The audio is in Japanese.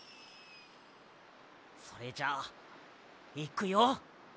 それじゃあいくよ！